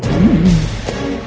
aku tidak mau